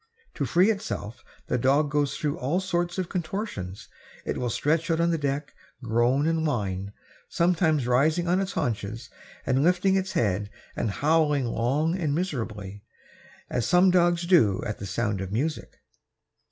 To free itself the dog goes through all sorts of contortions. It will stretch out on the deck, groan and whine, sometimes rising on its haunches and lifting its head and howling long and miserably, as some dogs do at the sound of music.